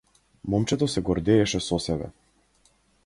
Момчето се гордееше со себе.